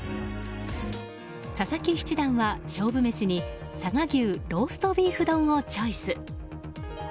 佐々木七段は勝負メシに佐賀牛ローストビーフ丼をチョイス。